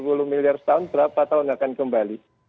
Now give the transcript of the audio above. rp dua ratus tujuh puluh miliar setahun berapa tahun akan kembali